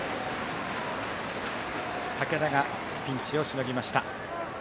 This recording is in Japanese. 竹田がピンチをしのぎました。